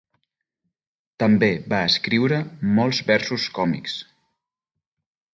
També va escriure molts versos còmics.